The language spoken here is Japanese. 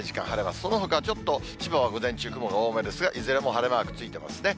そのほかちょっと、千葉は午前中、雲が多めですが、いずれも晴れマークついてますね。